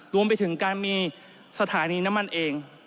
รวมไปถึงการมีสถานีน้ำมันเอง